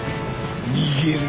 逃げる